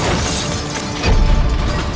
ya ini udah berakhir